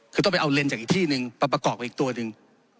คือต้องไปเอาเลนส์จากอีกที่หนึ่งมาประกอบกับอีกตัวหนึ่ง